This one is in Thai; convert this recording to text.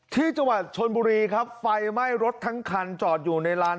ที่จังหวัดชนบุรีครับไฟไหม้รถทั้งคันจอดอยู่ในลาน